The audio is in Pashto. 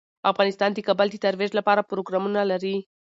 افغانستان د کابل د ترویج لپاره پروګرامونه لري.